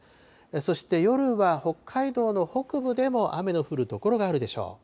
そして夜は北海道の北部でも、雨の降る所があるでしょう。